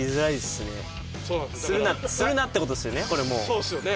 そうですよね。